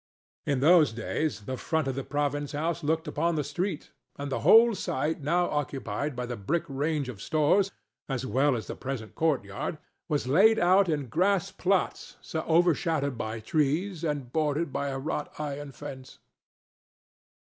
In those days the front of the Province House looked upon the street, and the whole site now occupied by the brick range of stores, as well as the present court yard, was laid out in grass plats overshadowed by trees and bordered by a wrought iron fence.